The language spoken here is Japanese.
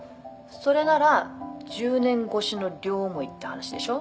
それなら１０年越しの両思いって話でしょ